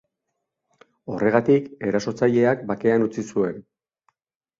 Horregatik, erasotzaileak bakean utzi zuen.